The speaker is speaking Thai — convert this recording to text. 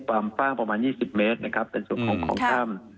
ความฝ้าประมาณ๒๐เมตรเป็นส่วนของของถ้ำ